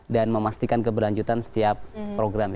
dan memastikan keberlanjutan setiap program